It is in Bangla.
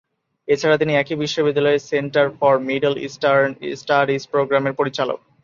এছাড়া তিনি একই বিশ্ববিদ্যালয়ের centre for middle eastern studies প্রোগ্রামের পরিচালক।